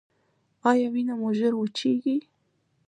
ایا وینه مو ژر وچیږي؟